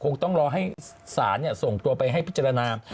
ต้องรอให้สารส่งตัวไปให้พิจารณา